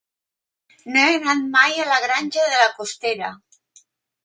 No he anat mai a la Granja de la Costera.